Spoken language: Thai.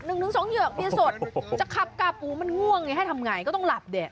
หนึ่งถึงสองเหยือกเมียสดจะขับกาปูมันง่วงไงให้ทำไงก็ต้องหลับเนี่ย